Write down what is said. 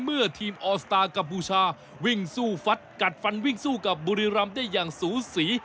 เมื่อทีมออสตาร์กัมพูชาวิ่งสู้ฟัดกัดฟันวิ่งสู้กับบุรีรำได้อย่างสูสี